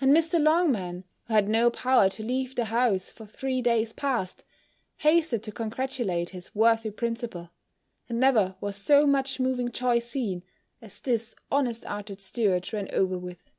And Mr. Longman, who had no power to leave the house for three days past, hasted to congratulate his worthy principal; and never was so much moving joy seen, as this honest hearted steward ran over with.